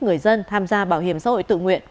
người dân tham gia bảo hiểm xã hội tự nguyện